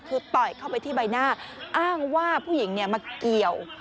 คือต่อยเข้าไปที่ใบหน้าอ้างว่าผู้หญิงมาเกี่ยว